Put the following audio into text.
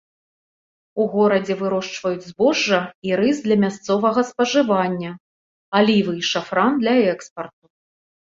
У горадзе вырошчваюць збожжа і рыс для мясцовага спажывання, алівы і шафран для экспарту.